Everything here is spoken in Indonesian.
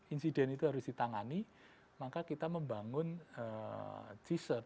insiden itu harus ditangani maka kita membangun c serv